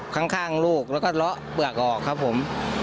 ข้างลูกแล้วก็เลาะเปลือกออกครับผม